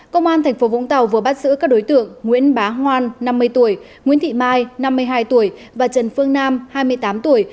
công an tp vũng tàu vừa bắt giữ các đối tượng nguyễn bá hoan năm mươi tuổi nguyễn thị mai năm mươi hai tuổi và trần phương nam hai mươi tám tuổi